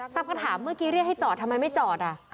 คำถามเมื่อกี้เรียกให้จอดทำไมไม่จอด